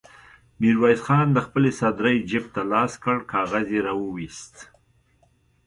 ميرويس خان د خپلې سدرۍ جېب ته لاس کړ، کاغذ يې را وايست.